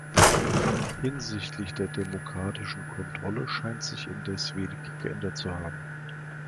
Hinsichtlich der demokratischen Kontrolle scheint sich indes wenig geändert zu haben.